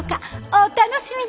お楽しみに。